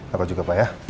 gak apa juga pak ya